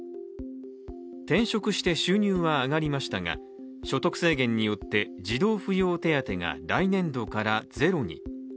転職して収入は上がりましたが、所得制限によって児童扶養手当が来年度からゼロに。